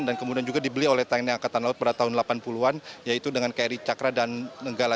dan kemudian juga dibeli oleh tni angkatan laut pada tahun delapan puluh an yaitu dengan kri cakra dan nenggala